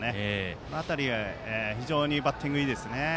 この辺り、非常にバッティングいいですね。